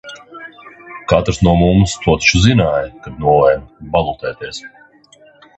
Katrs no mums to taču zināja, kad nolēma balotēties.